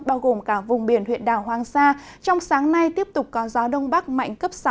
bao gồm cả vùng biển huyện đảo hoàng sa trong sáng nay tiếp tục có gió đông bắc mạnh cấp sáu